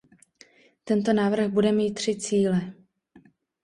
Tento návrh bude mít tři cíle.